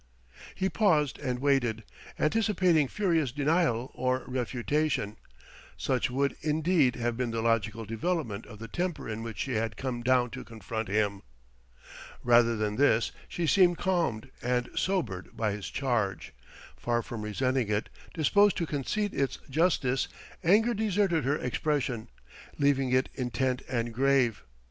He paused and waited, anticipating furious denial or refutation; such would, indeed, have been the logical development of the temper in which she had come down to confront him. Rather than this, she seemed calmed and sobered by his charge; far from resenting it, disposed to concede its justice; anger deserted her expression, leaving it intent and grave.